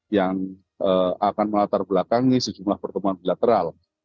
yang akan melatar belakangi sejumlah pertemuan bilateral